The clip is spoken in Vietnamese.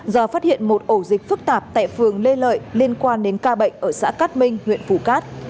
do phát hiện một ổ dịch phức tạp tại phường lê lợi liên quan đến ca bệnh ở xã cát minh huyện phù cát